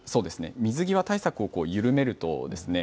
水際対策を緩めるとですね